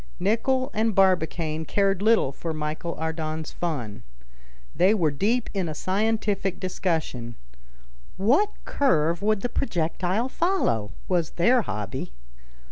Nicholl and Barbicane cared little for Michel Ardan's fun. They were deep in a scientific discussion. What curve would the projectile follow? was their hobby.